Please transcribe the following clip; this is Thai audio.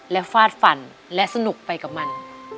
และฟาดฝันและสนุกไปกับมัน